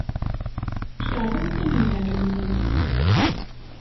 Tkeṛhemt anemhal-nkent.